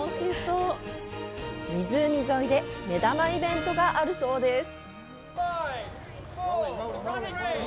湖沿いで、目玉イベントがあるそうです。